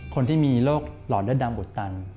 คนที่มีโรคหลอดเลือดดำอุดตัน